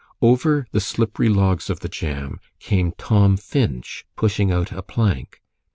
Over the slippery logs of the jam came Tom Finch pushing out a plank.